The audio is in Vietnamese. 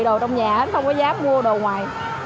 đồ trong nhà không có dám mua đồ ngoài